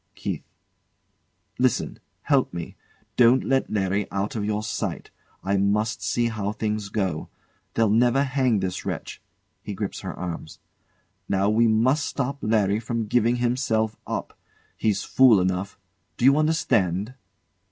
KEITH. Listen! Help me. Don't let Larry out of your sight. I must see how things go. They'll never hang this wretch. [He grips her arms] Now, we must stop Larry from giving himself up. He's fool enough. D'you understand?